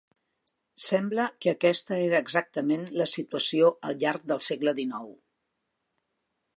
Sembla que aquesta era exactament la situació al llarg del segle dinou.